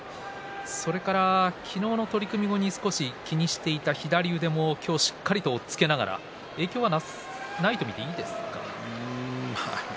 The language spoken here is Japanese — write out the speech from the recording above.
昨日の取組後に少し気にしていた左腕も今日しっかりと押っつけながら影響はないと見ていいですか。